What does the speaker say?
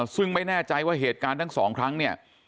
ซึ่งไม่แน่ใจว่าเหตุการณ์ทั้งสองครั้งเนี่ย